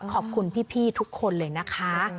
ขอบคุณพี่ทุกคนเลยนะคะ